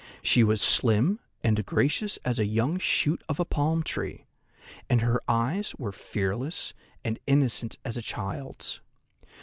She was slim and gracious as a young shoot of a palm tree, and her eyes were fearless and innocent as a child's.